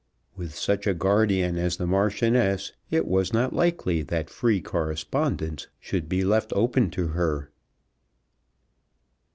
With such a guardian as the Marchioness, it was not likely that free correspondence should be left open to her.